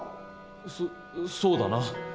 そっそうだな。